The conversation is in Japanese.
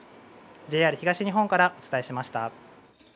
ＪＲ東日本からお伝えしました。